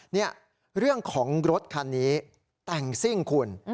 นี่เรื่องของรถคันนี้แต่งซิ่งคุณ